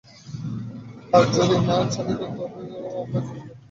আর যদিই বা না চলিত, তবু আমার জিতিবার কোনো সম্ভাবনা দেখিতেছি না।